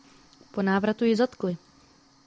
Po návratu ji zatkli.